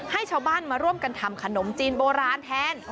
ให้ชาวบ้านมาร่วมกันทำขนมจีนโบราณแทน